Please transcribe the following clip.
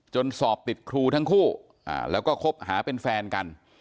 สอบติดครูทั้งคู่แล้วก็คบหาเป็นแฟนกัน